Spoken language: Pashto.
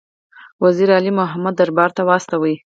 وزیر علي مُلا محمد دربار ته واستاوه.